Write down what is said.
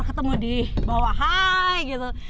ketemu di bawah hai gitu